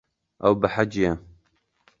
Ew behecî ye.